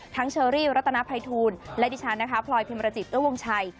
เชอรี่รัตนภัยทูลและดิฉันนะคะพลอยพิมรจิตเอื้อวงชัย